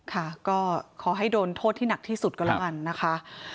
ค่ะก็ขอให้โดนโทษที่หนักที่สุดก็แล้วกันนะคะ